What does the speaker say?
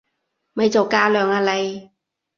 咪做架樑啦你！